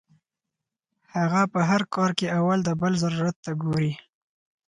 هغه پۀ هر کار کې اول د بل ضرورت ته ګوري -